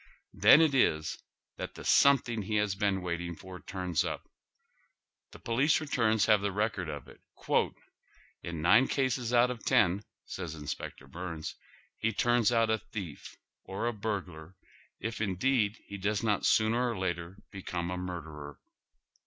Then it is that the something he has been waiting for tunis np. Tlie po lice retiirns have the record of it. " In nine cases out of ten," says Inspector Byrnes, " he turns out a thief, or a burglar, if, indeed, he does not sooner or later become a murderer."